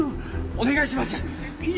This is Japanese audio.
お願いします！